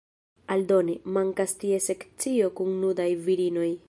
Aldone, mankas tie sekcio kun nudaj virinoj.